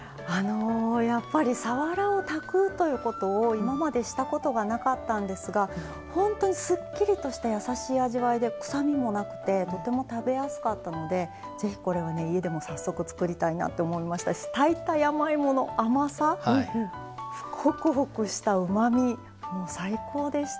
やっぱりさわらを炊くということを今までしたことがなかったんですが本当にすっきりとしたやさしい味わいで臭みもなくてとても食べやすかったのでぜひこれはね家でも早速作りたいなと思いましたし炊いた山芋の甘さホクホクしたうまみもう最高でしたね。